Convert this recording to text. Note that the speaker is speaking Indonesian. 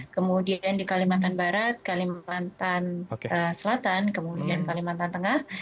kemudian di kalimantan barat kalimantan selatan kemudian kalimantan tengah